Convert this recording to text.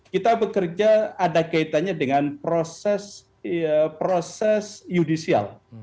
kita bekerja ada kaitannya dengan proses judicial